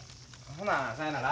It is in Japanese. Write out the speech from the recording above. ほなさいなら。